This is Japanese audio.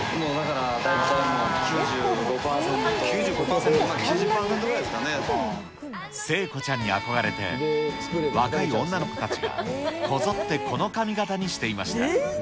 大体もう９５％、聖子ちゃんに憧れて、若い女の子たちが、こぞってこの髪形にしていました。